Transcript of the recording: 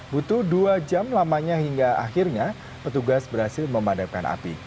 butuh dua jam lamanya hingga akhirnya petugas berhasil memadamkan api